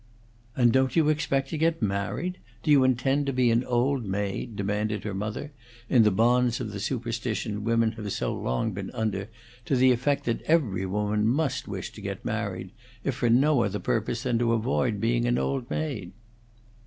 "And don't you expect to get married? Do you intend to be an old maid?" demanded her mother, in the bonds of the superstition women have so long been under to the effect that every woman must wish to get married, if for no other purpose than to avoid being an old maid.